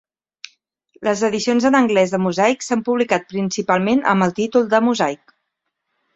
Les edicions en anglès de "Mosaik" s'han publicat principalment amb el títol de "Mosaic".